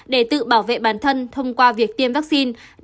để tự bảo vệ bản thân thông qua việc tiêm vaccine